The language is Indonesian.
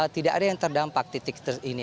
tidak ada yang terdampak titik ini